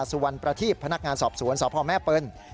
สุวรรณประทีพพนักงานสอบสวนสพแม่เปิ้ล